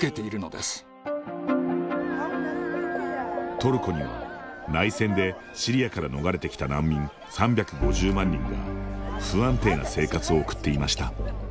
トルコには内戦でシリアから逃れてきた難民３５０万人が不安定な生活を送っていました。